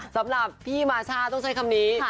สำหรับพี่มาช่าต้องใช้คำนี้